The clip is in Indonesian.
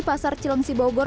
pasar cilengsi bogor